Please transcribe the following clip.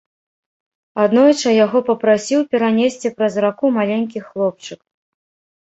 Аднойчы яго папрасіў перанесці праз раку маленькі хлопчык.